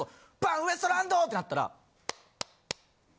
ウエストランド！ってなったら。